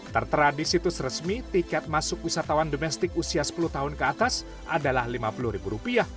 tertera di situs resmi tiket masuk wisatawan domestik usia sepuluh tahun ke atas adalah rp lima puluh